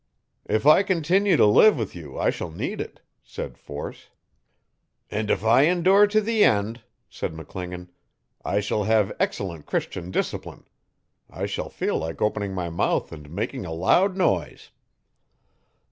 'If I continue to live with you I shall need it,' said Force. 'And if I endure to the end,' said McClingan, 'I shall have excellent Christian discipline; I shall feel like opening my mouth and making a loud noise.